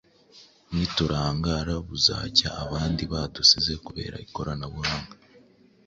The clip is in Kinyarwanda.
Niturangara buzacya abandi badusize kubera ikoranabuhanga.